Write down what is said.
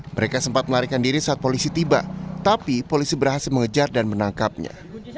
mereka sempat melarikan diri saat polisi tiba tapi polisi berhasil mengejar dan menangkapnya